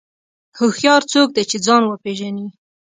هوښیار څوک دی چې ځان وپېژني.